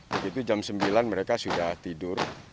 begitu jam sembilan mereka sudah tidur